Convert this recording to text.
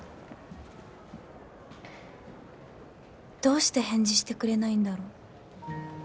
どうして返事してくれないんだろう